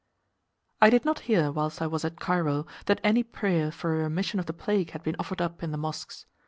I did not hear, whilst I was at Cairo, that any prayer for a remission of the plague had been offered up in the mosques.